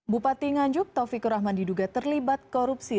bupati nganjuk taufikur rahman diduga terlibat korupsi